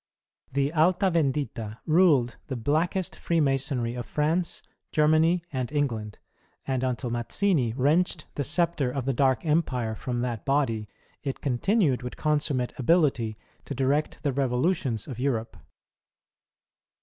The Alta Vendita ruled the blackest Freemasonry of France, Germany, and England ; and until Mazzini wrenched the sceptre of the dark Empire from that body, it continued with consummate ability to direct the revolutions of Europe.